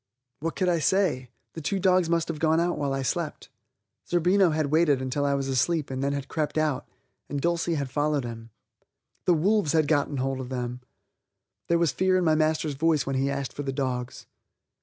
What could I say? The two dogs must have gone out while I slept. Zerbino had waited until I was asleep and had then crept out, and Dulcie had followed him. The wolves had got hold of them! There was fear in my master's voice when he asked for the dogs.